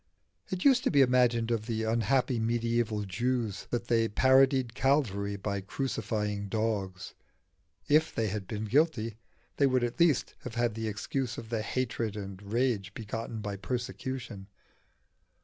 It used to be imagined of the unhappy medieval Jews that they parodied Calvary by crucifying dogs; if they had been guilty they would at least have had the excuse of the hatred and rage begotten by persecution.